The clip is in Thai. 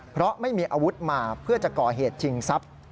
เพราะไม่มีอาวุธมาเพื่อจะก่อเหตุชิงทรัพย์